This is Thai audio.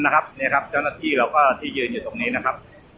ครับเฮะแล้วก็ที่ยืนเดตวิ่งตรงนี้นะ